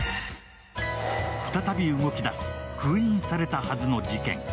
再び動き出す封印されたはずの事件。